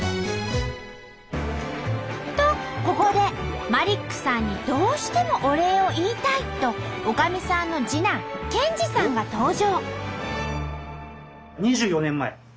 とここでマリックさんにどうしてもお礼を言いたいとおかみさんの次男健二さんが登場！